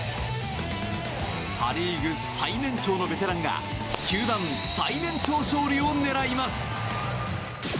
パ・リーグ最年長のベテランが球団最年長勝利を狙います！